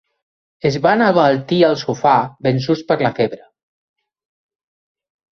Es van abaltir al sofà vençuts per la febre.